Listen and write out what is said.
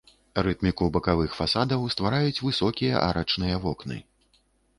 Рытміку бакавых фасадаў ствараюць высокія арачныя вокны.